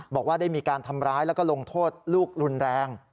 บอกว่าได้มีการทำร้ายแล้วก็ลงโทษลูกรุนแรง